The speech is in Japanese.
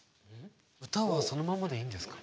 歌はそのままでいいんですか？